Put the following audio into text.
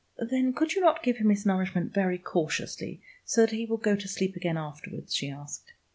"Then could you not give him his nourishment very cautiously, so that he will go to sleep again afterwards?" she asked.